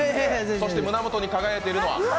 そして胸元に輝いているのは？